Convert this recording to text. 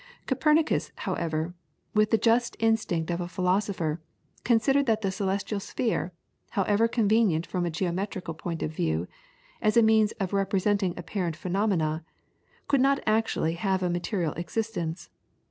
Copernicus, however, with the just instinct of a philosopher, considered that the celestial sphere, however convenient from a geometrical point of view, as a means of representing apparent phenomena, could not actually have a material existence.